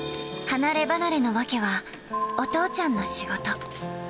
離れ離れの訳は、お父ちゃん